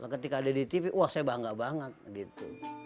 ketika ada di tv wah saya bangga banget gitu